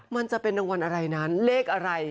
มันจะเป็นรางวัลอะไรนั้นเลขอะไร